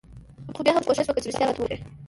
خو بيا هم کوښښ وکه چې رښتيا راته وايې.